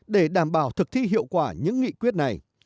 để đảm bảo thực thi hiệu quả những nghị quyết này